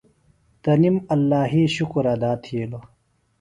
تنیم اللہِ شُکُر ادا تھیلوۡ۔